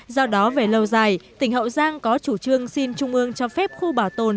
do đó về lâu dài tỉnh hậu giang có chủ trương xin trung ương cho phép khu bảo tồn